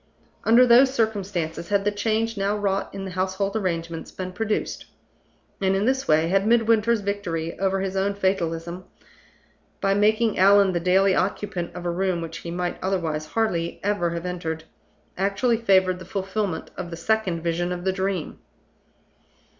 Under those circumstances had the change now wrought in the household arrangements been produced; and in this way had Midwinter's victory over his own fatalism by making Allan the daily occupant of a room which he might otherwise hardly ever have entered actually favored the fulfillment of the Second Vision of the Dream.